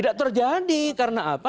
tidak terjadi karena apa